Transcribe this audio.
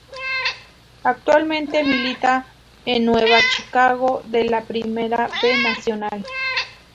Actualmente milita en Nueva Chicago de la Primera B Nacional.